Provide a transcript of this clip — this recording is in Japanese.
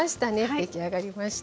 出来上がりました。